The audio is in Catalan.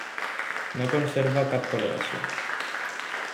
No conserva cap coloració.